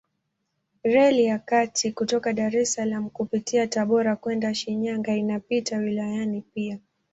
Reli ya kati kutoka Dar es Salaam kupitia Tabora kwenda Shinyanga inapita wilayani pia.